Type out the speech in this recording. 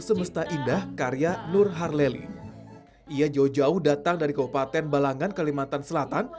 semesta indah karya nur harleli ia jauh jauh datang dari kabupaten balangan kalimantan selatan